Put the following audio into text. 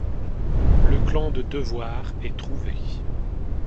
Le clan de Devoir est trouvé.